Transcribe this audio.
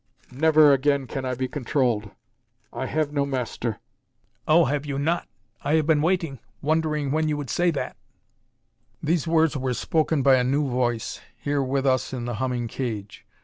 "Never again can I be controlled! I have no master!" "Oh, have you not? I have been waiting, wondering when you would say that!" These words were spoken by a new voice, here with us in the humming cage.